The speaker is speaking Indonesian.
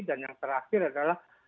dan yang terakhir adalah